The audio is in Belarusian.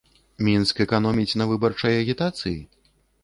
Мінск эканоміць на выбарчай агітацыі?